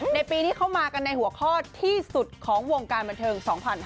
ในปีนี้เข้ามากันในหัวข้อที่สุดของวงการบันเทิง๒๕๕๙